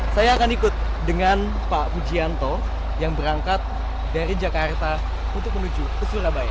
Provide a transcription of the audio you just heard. saya akan ikut dengan pak pujianto yang berangkat dari jakarta untuk menuju ke surabaya